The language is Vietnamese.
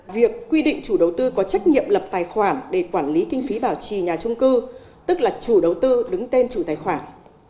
việc quy định chủ đầu tư có trách nhiệm lập tài khoản để quản lý kinh phí bảo trì nhà trung cư tức là chủ đầu tư đứng tên chủ tài khoản